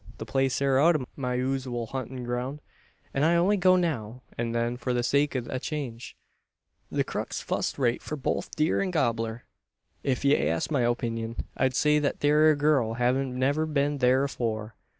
The place air out o' my usooal huntin' ground, an I only go now an then for the sake o' a change. The crik's fust rate for both deer an gobbler. If ye ask my opeenyun, I'd say that thet ere gurl heven't never been thur afore.